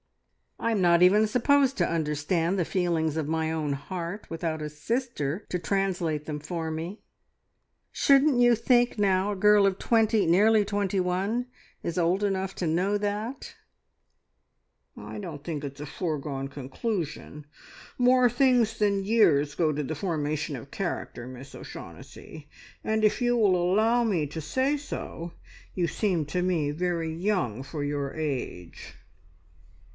I'm not even supposed to understand the feelings of my own heart without a sister to translate them for me. Shouldn't you think, now, a girl of twenty nearly twenty one is old enough to know that?" "I don't think it is a foregone conclusion. More things than years go to the formation of character, Miss O'Shaughnessy, and if you will allow me to say so, you seem to me very young for your age."